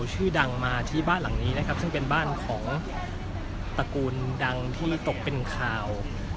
ชื่อดังมาที่บ้านหลังนี้นะครับซึ่งเป็นบ้านของตระกูลดังที่ตกเป็นข่าว